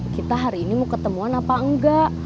kita hari ini mau ketemuan apa enggak